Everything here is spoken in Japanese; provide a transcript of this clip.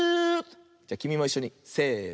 じゃきみもいっしょにせの。